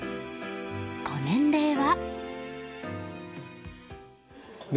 ご年齢は？